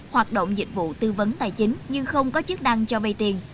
hoạt động dịch vụ tư vấn tài chính nhưng không có chức đăng cho vay tiền